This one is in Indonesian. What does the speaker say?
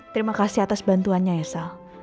terima kasih atas bantuannya ya sal